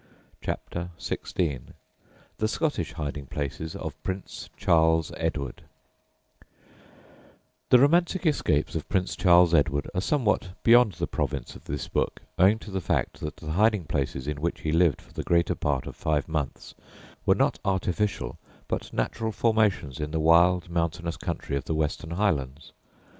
CHAPTER XVI THE SCOTTISH HIDING PLACES OF PRINCE CHARLES EDWARD The romantic escapes of Prince Charles Edward are somewhat beyond the province of this book, owing to the fact that the hiding places in which he lived for the greater part of five months were not artificial but natural formations in the wild, mountainous country of the Western Highlands.